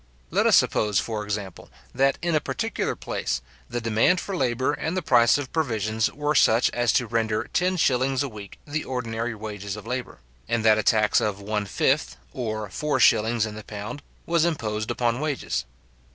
Let us suppose, for example, that, in a particular place, the demand for labour and the price of provisions were such as to render ten shillings a week the ordinary wages of labour; and that a tax of one fifth, or four shillings in the pound, was imposed upon wages.